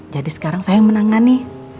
jadi sekarang saya yang menangani